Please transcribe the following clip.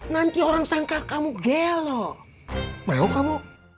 nanti orang sangka kamu gelo mau kamu